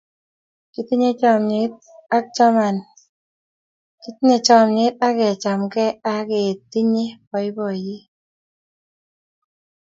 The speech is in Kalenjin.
kitinye chamiet ak kechamegei ake tinye baibaiet